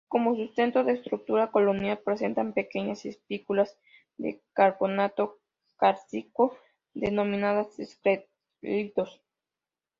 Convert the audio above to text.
Como sustento de su estructura colonial, presentan pequeñas espículas de carbonato cálcico denominadas escleritos.